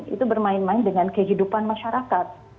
itu bermain main dengan kehidupan masyarakat